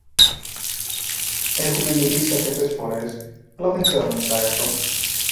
Έχουμε μιλήσει αρκετές φορές, αλλά δεν ξέρω αν της αρέσω.